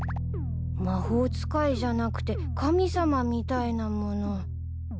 魔法使いじゃなくて神様みたいなもの。